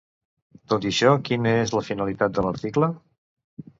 Tot i això, quina és la finalitat de l'article?